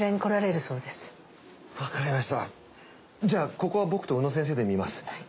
じゃあここは僕と宇野先生で診ます。